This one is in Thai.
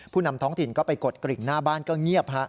นำท้องถิ่นก็ไปกดกริ่งหน้าบ้านก็เงียบ